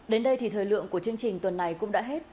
đến đây thì thời lượng của chương trình tuần này cũng đã hết